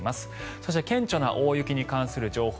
そして顕著な大雪に関する気象情報